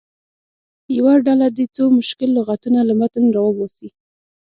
یوه ډله دې څو مشکل لغتونه له متن راوباسي.